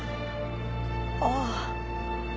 ああ。